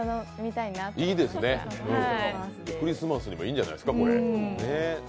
いいですね、クリスマスにもいいんじゃないですか？